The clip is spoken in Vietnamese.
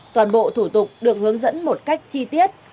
toàn bộ thủ tục được hướng dẫn một cách chi tiết